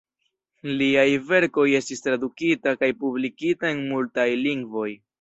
Liaj verkoj estis tradukita kaj publikita en multaj lingvoj.